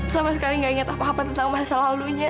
sama sekali gak ingat apa apa tentang masa lalunya